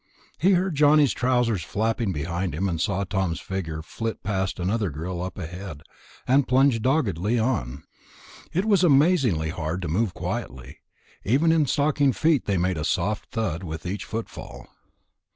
He heard Johnny's trousers flapping behind him, saw Tom's figure flit past another grill up ahead, and plunged doggedly on. It was amazingly hard to move quietly. Even in stocking feet they made a soft thud with each footfall.